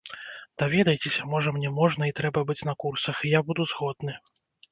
Даведайцеся, можа, мне можна і трэба быць на курсах, і я буду згодны.